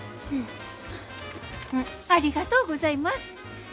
ありがとうございます。